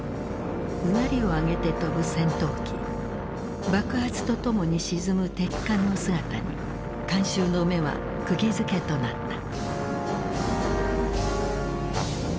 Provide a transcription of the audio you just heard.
うなりを上げて飛ぶ戦闘機爆発とともに沈む敵艦の姿に観衆の目はくぎづけとなった。